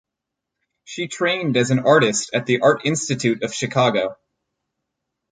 She trained as an artist at the Art Institute of Chicago.